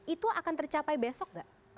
itu akan tercapai besok nggak